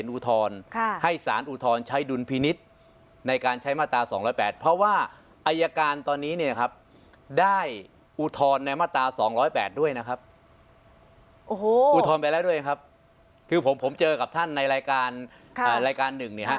อุทธรณ์ไปแล้วด้วยนะครับคือผมเจอกับท่านในรายการหนึ่ง